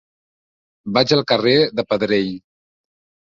Vaig al carrer de Pedrell.